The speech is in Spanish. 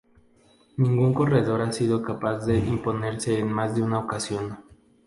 Ningún corredor ha sido capaz de imponerse en más de una ocasión.